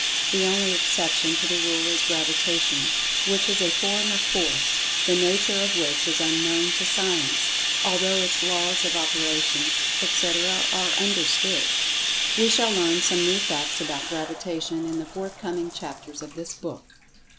The only exception to the rule is Gravitation, which is a form of Force, the nature of which is unknown to Science, although its laws of operation, etc., are understood. We shall learn some new facts about Gravitation in the forthcoming chapters of this book.